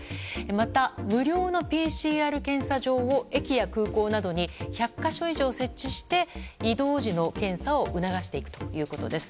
また無料のＰＣＲ検査場を駅や空港などに１００か所以上設置して移動時の検査を促していくということです。